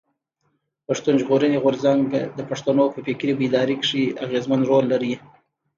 پښتون ژغورني غورځنګ د پښتنو په فکري بيداري کښي اغېزمن رول لري.